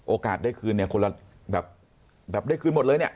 โอกาสได้คืนคุณละแบบแบบได้คืนหมดเลย